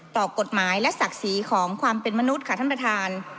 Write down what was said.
ต่อกฎหมายและศักดิ์ศรีของความเป็นมนุษย์ค่ะท่านประธาน